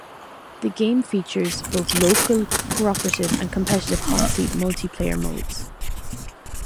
The game features both local cooperative and competitive hotseat multiplayer modes.